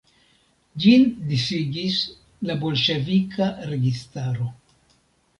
Ĝin disigis la bolŝevika registaro.